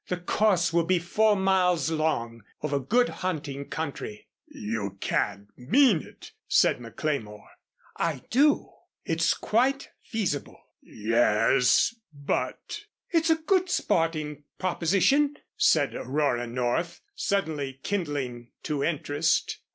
"The course will be four miles long over good hunting country." "You can't mean it," said McLemore. "I do. It's quite feasible." "Yes, but " "It's a good sporting proposition," said Aurora North, suddenly kindling to interest.